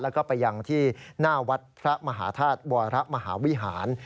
แล้วก็ไปยังที่หน้าวัดพระมหาธาตุวรมหาวิหาร